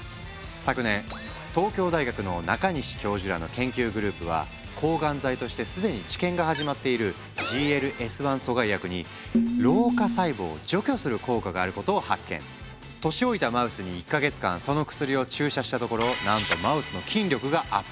昨年東京大学の中西教授らの研究グループは抗がん剤として既に治験が始まっているＧＬＳ−１阻害薬に年老いたマウスに１か月間その薬を注射したところなんとマウスの筋力がアップ。